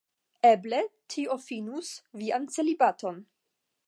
Eble tio finus vian celibaton.